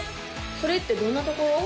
それってどんなところ？